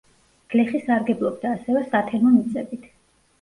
გლეხი სარგებლობდა ასევე სათემო მიწებით.